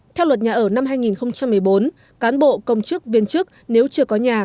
theo luật nhà ở năm hai nghìn một mươi bốn cán bộ công chức viên chức nếu chưa có nhà